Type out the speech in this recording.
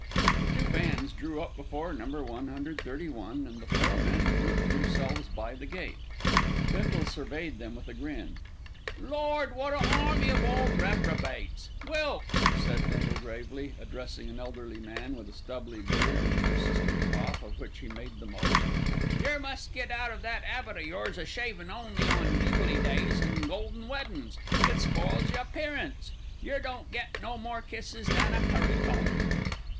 The two vans drew up before No. 131, and the four men grouped themselves by the gate. Bindle surveyed them with a grin. "Lord, wot a army of ole reprobates! Wilkes," said Bindle gravely, addressing an elderly man with a stubbly beard and a persistent cough, of which he made the most, "yer must get out of that 'abit o' yours o' shavin' only on jubilee days and golden weddin's. It spoils y' appearance. Yer won't get no more kisses than a currycomb."